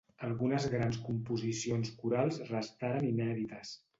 Algunes grans composicions corals restaren inèdites.